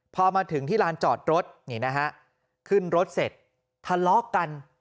พอมาถึงที่ร้านจอดรถขึ้นรถเสร็จทะเลาะกัน